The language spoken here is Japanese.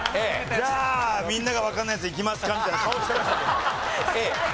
じゃあみんながわかんないやついきますかみたいな顔してましたけど。